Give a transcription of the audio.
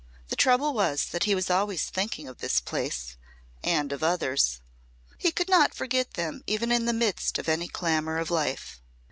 The trouble was that he was always thinking of this place and of others. He could not forget them even in the midst of any clamour of life.